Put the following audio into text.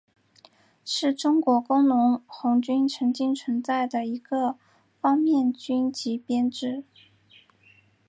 是中国工农红军曾经存在的一个方面军级编制。